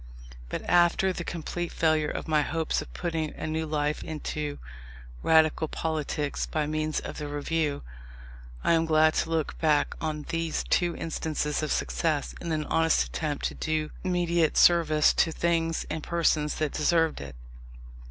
But, after the complete failure of my hopes of putting a new life into Radical politics by means of the Review, I am glad to look back on these two instances of success in an honest attempt to do mediate service to things and persons that deserved it.